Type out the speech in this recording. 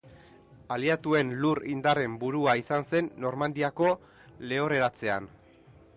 Aliatuen lur-indarren burua izan zen Normandiako Lehorreratzean.